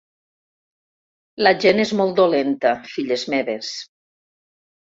La gent és molt dolenta, filles meves.